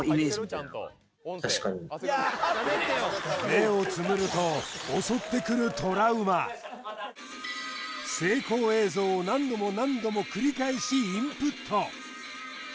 目をつむると襲ってくる成功映像を何度も何度も繰り返しインプット